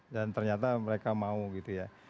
dan ternyata mereka mau gitu ya